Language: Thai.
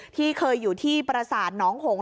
ที่เคยอยู่ที่ประศาสตร์หนองหงค์